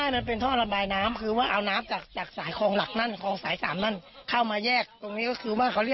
มีข้างน้ำจะไปลงชาเล